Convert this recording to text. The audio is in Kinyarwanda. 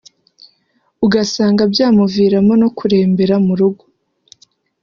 ugasanga byamuviramo no kurembera mu rugo